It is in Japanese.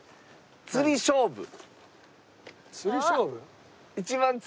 釣り勝負？